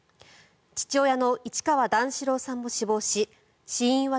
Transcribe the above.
父親の市川段四郎さんも死亡し死因は